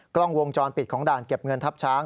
กล้องวงจรปิดของด่านเก็บเงินทับช้าง